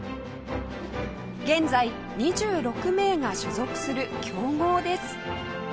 現在２６名が所属する強豪です